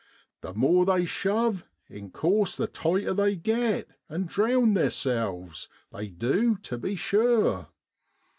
The more they shove, in course the tighter they get, an' drown theerselves, they du, tu be sure.